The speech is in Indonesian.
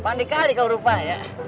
pandi kali kau rupanya